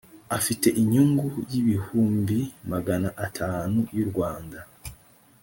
afite inyungu y’ibihumbi magana atanu y’u rwanda